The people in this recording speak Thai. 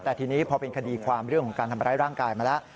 แต่ทีนี้พอเป็นคดีความเรื่องของการทำร้ายร่างกายมาแล้ว